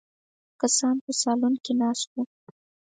کسان په سالون کې ناست وو.